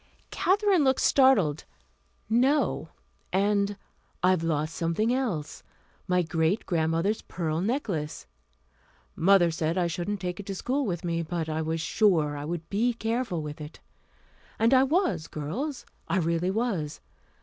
Katherine looked startled. "No. And I've lost something else my great grandmother's pearl necklace. Mother said I shouldn't take it to school with me, but I was sure I would be careful with it. And I was, girls, I really was.